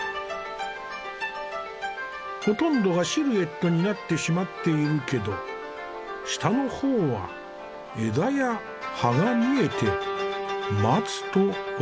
ほとんどがシルエットになってしまっているけど下の方は枝や葉が見えて松と分かるね。